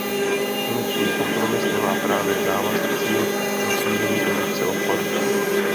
Konečný kompromis nemá právně závazný cíl pro snížení produkce odpadů.